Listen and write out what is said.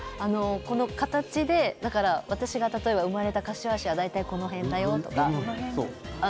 この形で私が生まれた柏市は大体この辺だよとか。